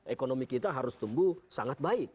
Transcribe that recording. ekonomi kita harus tumbuh sangat baik